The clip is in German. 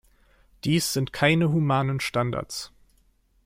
Dies sind keine humanen Standards.